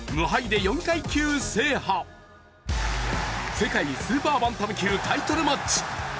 世界スーパーバンタム級タイトルマッチ。